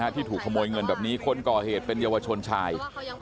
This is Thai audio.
ที่ถูกขโมยเงินแบบนี้คนก่อเหตุเป็นเยาวชนชาย